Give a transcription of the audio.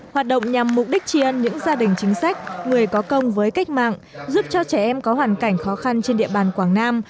hoạt động nhằm mục đích tri ân những gia đình chính sách người có công với cách mạng giúp cho trẻ em có hoàn cảnh khó khăn trên địa bàn quảng nam